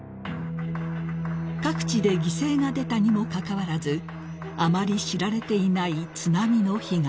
［各地で犠牲が出たにもかかわらずあまり知られていない津波の被害］